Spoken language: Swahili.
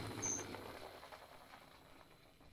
kuwakamata wapinzani na kuwatesa mateka